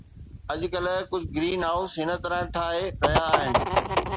اڄڪلهه، ڪجهه greenhouse هن طرح ٺاهي رهيا آهن